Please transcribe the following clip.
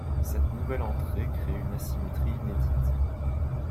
Cette nouvelle entrée crée une asymétrie inédite.